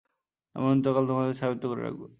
আমি অনন্তকাল তোমাদের ছায়াবৃত করে রাখব।